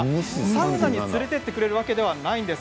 サウナに連れて行ってくれるわけではありません。